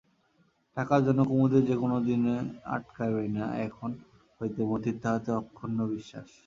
টাকার জন্য কুমুদের যে কোনোদিনই আটকাইবে না, এখন হইতে মতির তাহাতে অক্ষুন্ন বিশ্বাস।